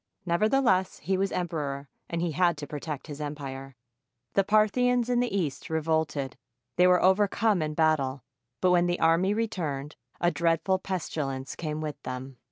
Nevertheless, he was emperor, and he had to protect his empire. The Parthians in the East revolted. They were overcome in battle, but when the army re turned, a dreadful pestilence came with them.